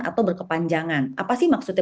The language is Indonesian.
atau berkepanjangan apa sih maksudnya